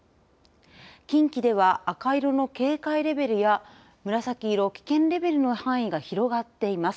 近畿では赤色の警戒レベルや紫色、危険レベルの範囲が広がっています。